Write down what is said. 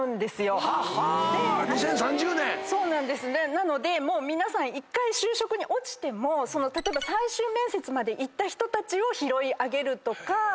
なので皆さん１回就職に落ちても例えば最終面接まで行った人たちを拾い上げるとか。